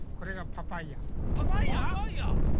パパイヤ！？